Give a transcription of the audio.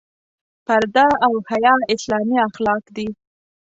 پرده او حیا اسلامي اخلاق دي.